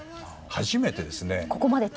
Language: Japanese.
初めてですね。